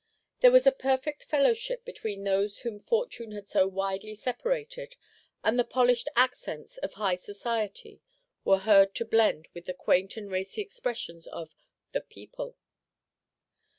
There was a perfect fellowship between those whom fortune had so widely separated, and the polished accents of high society were heard to blend with the quaint and racy expressions of the "people."